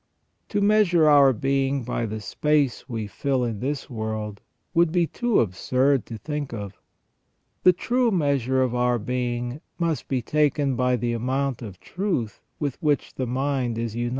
To measure our being by the space we fill in this world would be too absurd to think of. The true measure of our being must be taken by the amount of truth with which the mind is united, and • See Hugo de S.